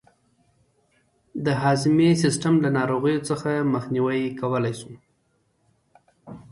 د هضمي سیستم له ناروغیو څخه مخنیوی کولای شو.